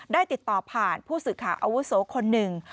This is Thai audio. ได้ติดต่อผ่านผู้สื่อข่าวอาวุโสคนหนึ่ง